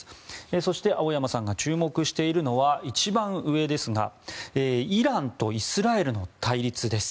そして青山さんが注目しているのは一番上イランとイスラエルの対立です。